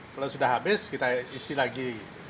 kalau sudah habis kita isi lagi